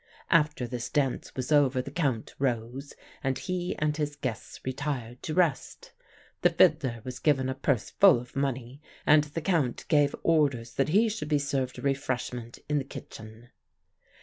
"After this dance was over the Count rose, and he and his guests retired to rest. The fiddler was given a purse full of money, and the Count gave orders that he should be served refreshment in the kitchen.